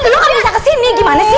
lu gak bisa ke sini gimana sih